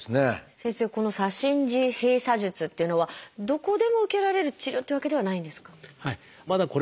先生この左心耳閉鎖術っていうのはどこでも受けられる治療っていうわけではないんですか？